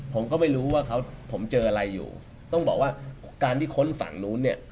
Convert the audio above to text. ผมก็ไม่รู้ว่าเขาผมเจออะไรอยู่ต้องบอกว่าการที่ค้นฝั่งนู้นเนี่ย